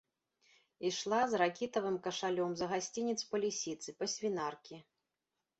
Ішла з ракітавым кашалём за гасцінец па лісіцы, па свінаркі.